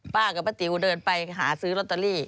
ป้ากับป้าติ๋วเดินไปหาซื้อลอตเตอรี่